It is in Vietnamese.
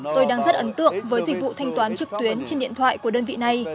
tôi đang rất ấn tượng với dịch vụ thanh toán trực tuyến trên điện thoại của đơn vị này